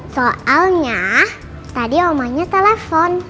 soalnya tadi omanya telepon